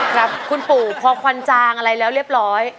ครับคุณปู่พอควันจางอะไรแล้วเรียบร้อย